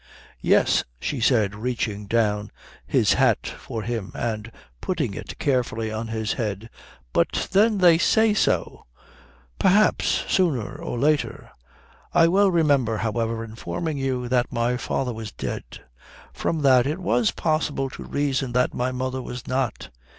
"Yes," she said, reaching down his hat for him and putting it carefully on his head, "but then they say so." "Perhaps. Sooner or later. I well remember, however, informing you that my father was dead. From that it was possible to reason that my mother was not.